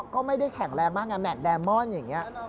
ก็ไม่ได้แข็งแรงมากไงแมทแดมอนอย่างนี้